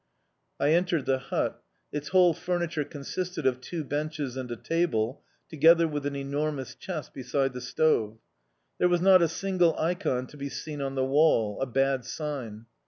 I entered the hut. Its whole furniture consisted of two benches and a table, together with an enormous chest beside the stove. There was not a single ikon to be seen on the wall a bad sign!